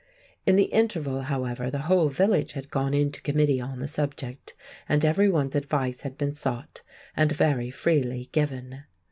In the interval, however, the whole village had gone into committee on the subject, and everyone's advice had been sought, and very freely given.